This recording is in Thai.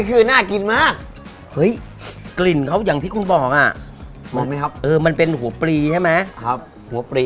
อื้อน่ากินมาก